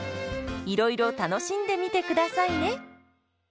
いろいろ楽しんでみてくださいね。